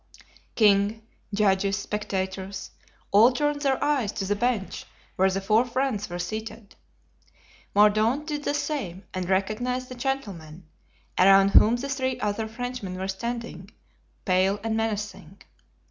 King, judges, spectators, all turned their eyes to the bench where the four friends were seated. Mordaunt did the same and recognized the gentleman, around whom the three other Frenchmen were standing, pale and menacing.